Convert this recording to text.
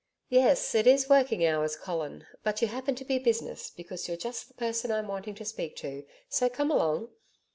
'Yes, it is working hours Colin, but you happen to be business because you're just the person I'm wanting to speak to, so come along.'